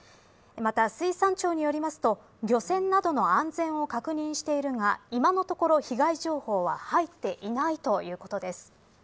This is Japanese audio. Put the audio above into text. また、水産庁によりますと漁船などの安全を確認しているが今のところ被害情報は入っていないということです。